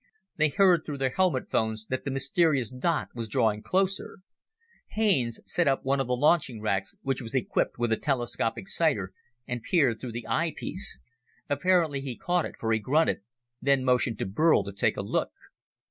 They heard through their helmet phones that the mysterious dot was drawing closer. Haines set up one of the launching racks, which was equipped with a telescopic sighter, and peered through the eyepiece. Apparently he caught it, for he grunted, then motioned to Burl to take a look.